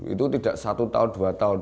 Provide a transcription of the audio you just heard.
itu tidak satu tahun dua tahun